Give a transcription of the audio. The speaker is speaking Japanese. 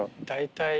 大体。